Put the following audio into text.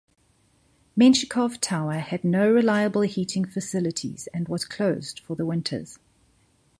Menshikov tower had no reliable heating facilities and was closed for the winters.